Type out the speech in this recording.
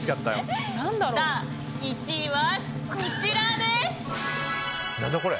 １位は、こちらです！